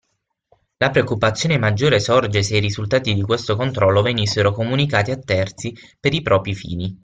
La preoccupazione maggiore sorge se i risultati di questo controllo venissero comunicati a terzi per i propri fini.